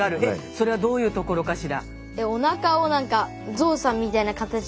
それはどういうところかしら。